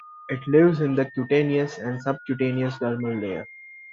It lives in the cutaneous and subcutaneous dermal layer.